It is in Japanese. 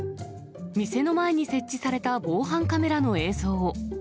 店の前に設置された防犯カメラの映像。